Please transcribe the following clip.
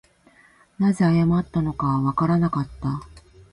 何故謝ったのかはわからなかった